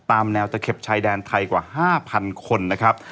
ตามแนวตะเข็บชายแดนไทยกว่า๕๐๐คนนะครับ